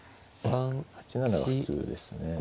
８七は普通ですね。